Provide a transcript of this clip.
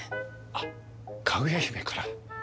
あっかぐや姫から。